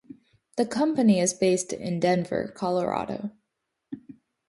The company is based in Denver, Colorado.